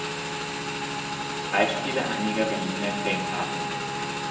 Beispiele einiger Berliner Gedenktafeln.